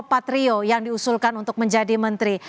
patrio yang diusulkan untuk menjadi menteri